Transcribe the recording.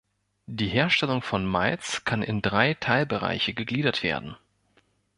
Die Herstellung von Malz kann in drei Teilbereiche gegliedert werden.